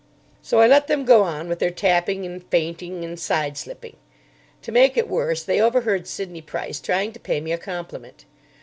So I let them go on with their tapping and feinting and side slipping. To make it worse they overheard Sidney Price trying to pay me a compliment.